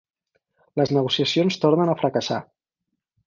Les negociacions tornen a fracassar.